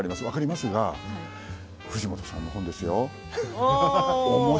分かりますが藤本さんの本ですよ。